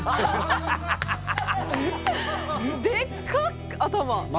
でっか頭。